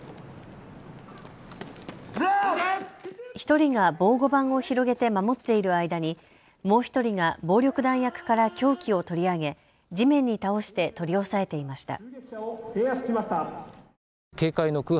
１人が防護板を広げて守っている間にもう１人が暴力団役から凶器を取り上げ地面に倒して取り押さえていました。